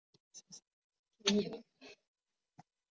曾祖父王彦实。